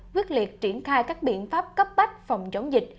quyết liệt triển khai các biện pháp cấp bách phòng chống dịch